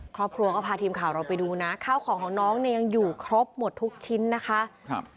ครอบครัวก็พาทีมข่าวเราไปดูนะข้าวของของน้องเนี่ยยังอยู่ครบหมดทุกชิ้นนะคะครับ